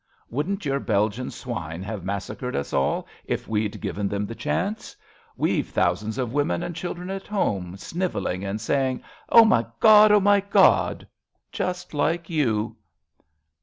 Wouldn't your Belgian swine have massacred us all, if we'd given them the chance ? We've thousands of women and children at home snivelling and saying, " Oh ! my God ! Oh ! my God !" just like you.